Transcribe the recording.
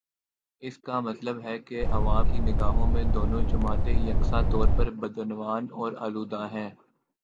اس کا مطلب ہے کہ عوام کی نگاہوں میں دونوں جماعتیں یکساں طور پر بدعنوان اور آلودہ ہیں۔